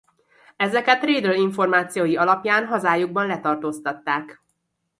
Ezeket Redl információi alapján hazájukban letartóztatták.